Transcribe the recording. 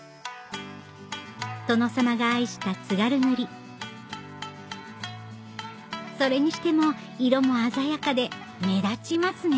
殿様が愛した津軽塗それにしても色も鮮やかで目立ちますね